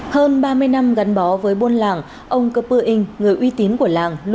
hơn ba mươi năm gắn bó với bôn lạng ông cơ pư inh người uy tín của lạng